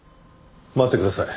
待ってください。